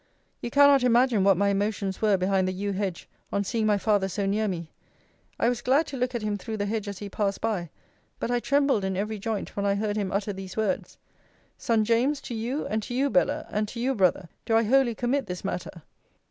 You cannot imagine what my emotions were behind the yew hedge, on seeing my father so near me. I was glad to look at him through the hedge as he passed by: but I trembled in every joint, when I heard him utter these words: Son James, to you, and to you Bella, and to you, Brother, do I wholly commit this matter.